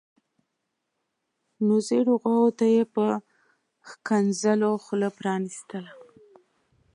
نو زیړو غواوو ته یې په ښکنځلو خوله پرانیستله.